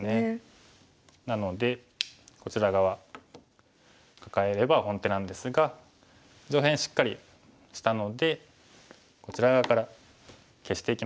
なのでこちら側カカえれば本手なんですが上辺しっかりしたのでこちら側から消していきましょう。